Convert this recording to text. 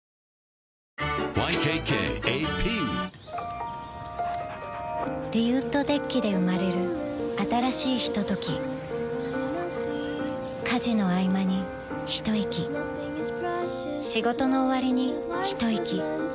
ＹＫＫＡＰリウッドデッキで生まれる新しいひととき家事のあいまにひといき仕事のおわりにひといき